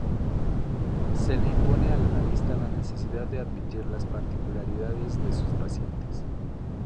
Se le impone al analista la necesidad de admitir las particularidades de sus pacientes.